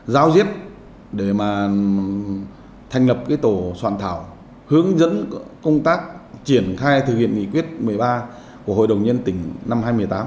giao diết để mà thành lập cái tổ soạn thảo hướng dẫn công tác triển khai thực hiện nghị quyết một mươi ba của hội đồng nhân tỉnh năm hai nghìn một mươi tám